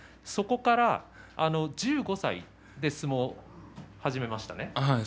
そこから１５歳で相撲を始めましたね。